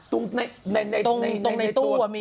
ตรงในตู้ก็มี